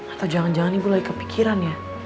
atau jangan jangan ibu lagi kepikiran ya